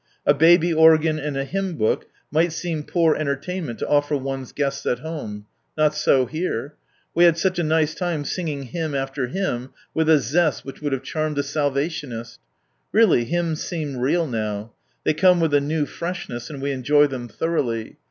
A baby organ and a hymn book might seem poor entertainment to offer one's guests '^'"'"''"""''""• at home. Not so here ! We had such a nice time singing hymn after hymn with a zest which would have charmed a Salvationist. Really hymns seem rea! now. They come with a new freshness, and we enjoy them thoroughly.